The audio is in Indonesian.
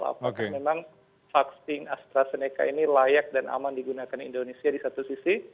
apakah memang vaksin astrazeneca ini layak dan aman digunakan indonesia di satu sisi